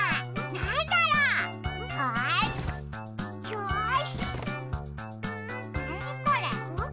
なにこれ？